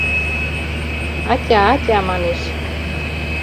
«Атя, атя», — манеш...